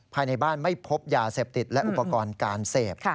ภายในบ้านไม่พบยาเสพติดและอุปกรณ์การเสพ